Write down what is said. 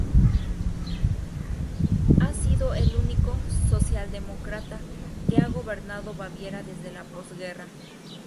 Ha sido el único socialdemócrata que ha gobernado Baviera desde la posguerra.